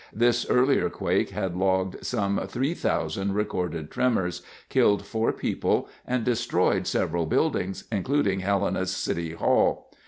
This earlier quake had logged some 3,000 recorded tremors, killed 4 people and destroyed several buildings, including Helena's City Hall.